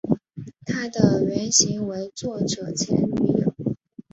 她的原型为作者前女友。